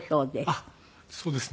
ああそうですね。